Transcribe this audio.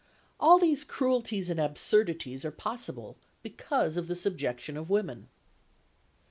All these cruelties and absurdities are possible because of the subjection of women.